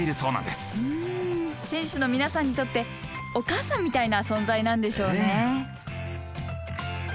うん選手の皆さんにとってお母さんみたいな存在なんでしょうね。